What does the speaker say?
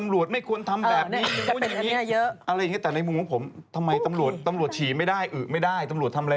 รักข้ามเภสเดี๋ยวนี้ก็เป็นเรื่องที่ยอมรับกันได้เขาก็ไม่ได้เป็นคนอื่น